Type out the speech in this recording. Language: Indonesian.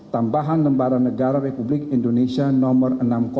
tambahan lembaran negara republik indonesia nomor enam ribu delapan puluh empat